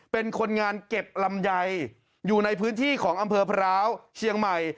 เป็นคนงานเก็บลำไยอยู่ในพื้นที่ของอำเภอพร้าวเชียงใหม่